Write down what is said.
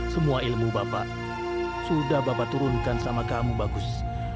semua ilmu bapak sudah bapak turunkan sama kamu bagus